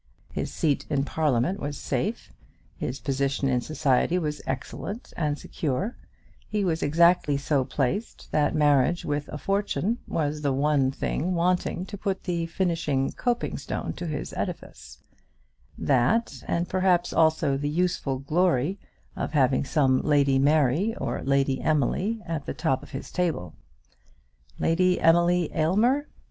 His seat in Parliament was safe; his position in society was excellent and secure; he was exactly so placed that marriage with a fortune was the only thing wanting to put the finishing coping stone to his edifice; that, and perhaps also the useful glory of having some Lady Mary or Lady Emily at the top of his table. Lady Emily Aylmer?